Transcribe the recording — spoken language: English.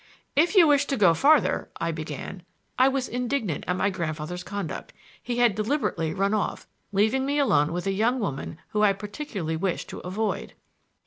"If you wish to go farther"—I began. I was indignant at my grandfather's conduct; he had deliberately run off, leaving me alone with a young woman whom I particularly wished to avoid.